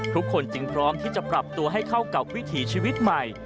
จึงพร้อมที่จะปรับตัวให้เข้ากับวิถีชีวิตใหม่